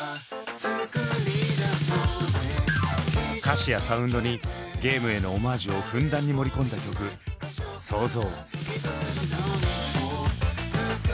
歌詞やサウンドにゲームへのオマージュをふんだんに盛り込んだ曲「創造」。